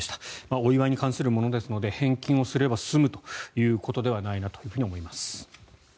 お祝いに関するものですので返金をすれば済むということではないなと思います。